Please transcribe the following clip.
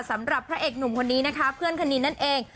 สำหรับพระเอกหนุ่มคนนี้นะคะเพื่อนคณินนั่นเอง